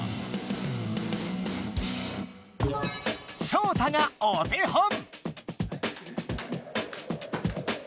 ショウタがお手本。